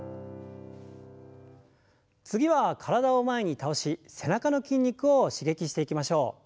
次は体を前に倒し背中の筋肉を刺激していきましょう。